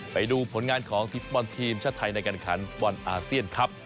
ไปดูผลงานของทีมฟุตบอลทีมชาติไทยในการขันฟุตบอลอาเซียนครับ